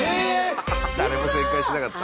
誰も正解しなかった。